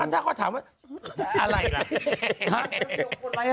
ถ้าเขาถามว่าอะไรล่ะ